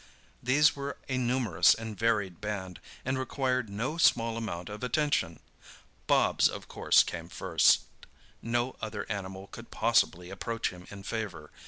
These were a numerous and varied band, and required no small amount of attention. Bobs, of course, came first—no other animal could possibly approach him in favour.